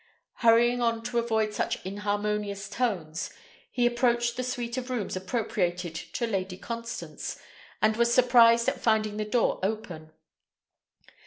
Hurrying on to avoid such inharmonious tones, he approached the suite of rooms appropriated to Lady Constance, and was surprised at finding the door open.